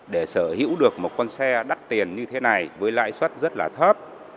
để sở hữu được một con xe đắt tiền như thế này với lãi suất rất là thấp